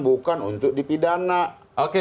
bukan untuk dipidana oke